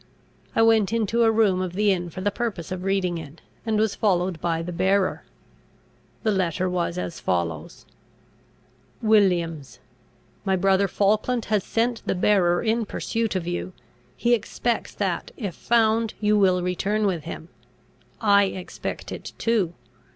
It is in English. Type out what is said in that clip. I went into a room of the inn for the purpose of reading it, and was followed by the bearer. The letter was as follows: WILLIAMS, "My brother Falkland has sent the bearer in pursuit of you. He expects that, if found, you will return with him: I expect it too.